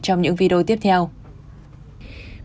trong những video tiếp theo